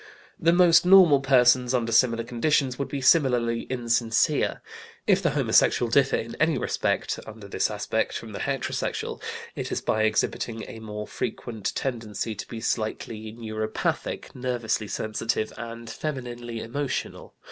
The most normal persons, under similar conditions, would be similarly insincere. If the homosexual differ in any respect, under this aspect, from the heterosexual, it is by exhibiting a more frequent tendency to be slightly neuropathic, nervously sensitive, and femininely emotional.